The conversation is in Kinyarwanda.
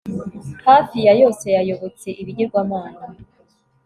hafi ya yose yayobotse ibigirwamana